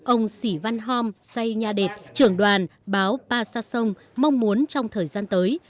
ông sĩ văn hôm say nhà đệt trưởng đoàn báo pa sa sông mong muốn trong thời gian tới